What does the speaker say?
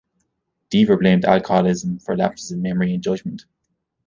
Deaver blamed alcoholism for lapses in memory and judgment.